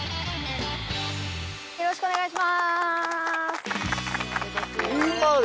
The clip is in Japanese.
よろしくお願いします。